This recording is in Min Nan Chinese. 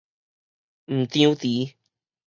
毋張持